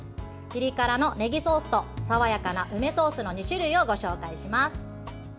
ピリ辛のねぎソースと爽やかな梅ソースの２種類をご紹介します。